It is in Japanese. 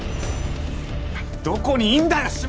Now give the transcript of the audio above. どこにいんだよ！